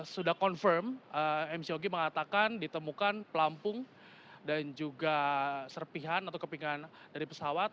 sudah confirm mcog mengatakan ditemukan pelampung dan juga serpihan atau kepingan dari pesawat